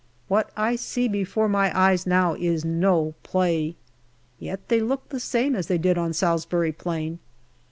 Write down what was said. What I see before my eyes now is no play. Yet they look the same as they did on Salisbury Plain.